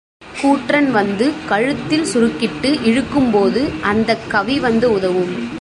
கூற்றன் வந்து கழுத்தில் சுருக்கிட்டு இழுக்கும்போது அந்தக் கவி வந்து உதவும்.